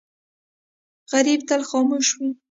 غریب تل خاموش وي